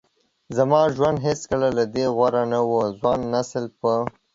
زما ژوند هیڅکله له دې غوره نه و. ځوان نسل په